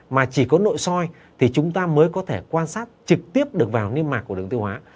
mà chỉ có nội soi thì chúng ta mới có thể quan sát trực tiếp được vào niêm mạc của đường tiêu hóa